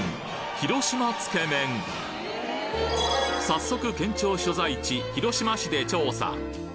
早速県庁所在地広島市で調査